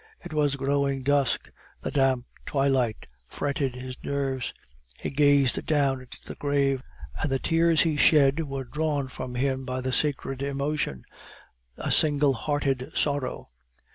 It was growing dusk, the damp twilight fretted his nerves; he gazed down into the grave and the tears he shed were drawn from him by the sacred emotion, a single hearted sorrow.